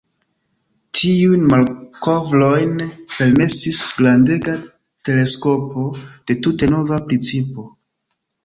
Tiujn malkovrojn permesis grandega teleskopo de tute nova principo.